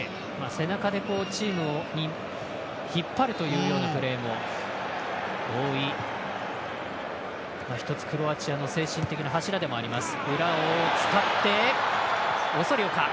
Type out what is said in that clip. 背中でチームを引っ張るというようなプレーも多い、一つクロアチアの精神的な柱でもあります。